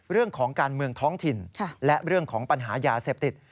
เรื่องของการเมืองท้องถิ่นและเรื่องของปัญหายาเสพติด